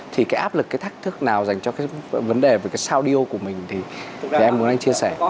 thì cái áp lực cái thách thức nào dành cho cái vấn đề về cái sao điêu của mình thì em muốn anh chia sẻ